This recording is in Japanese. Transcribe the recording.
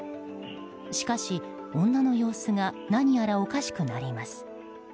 しかし、女の様子が何やらおかしくなります。